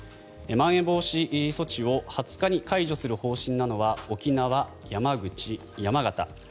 まん延防止措置を２０日に解除する方針なのは沖縄、山口、山形。